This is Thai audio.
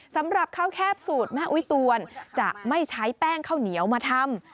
สำหรับข้าวแคบสูตรแม่อุ๊ยตวนจะไม่ใช้แป้งข้าวเหนียวมาทำ